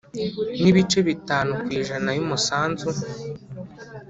N ibice bitanu ku ijana y umusanzu